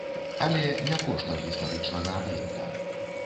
Але не коштам гістарычнага аб'екта.